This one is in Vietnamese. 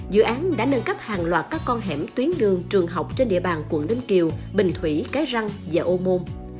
dự án đã nâng cấp hàng loạt các con hẻm tuyến đường trường học trên địa bàn quận ninh kiều bình thủy cái răng và ô môn